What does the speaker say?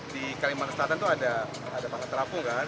di kalimantan selatan itu ada pangan terapung kan